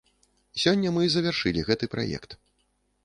Сёння мы завяршылі гэты праект.